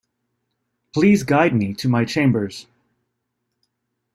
Please guide me to my chambers.